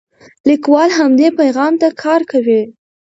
لیکوال همدې پیغام ته کار کوي.